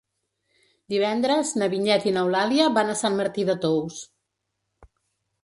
Divendres na Vinyet i n'Eulàlia van a Sant Martí de Tous.